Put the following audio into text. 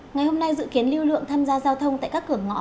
ngày hôm nay dự kiến lưu lượng tham gia giao thông tại các cửa ngõ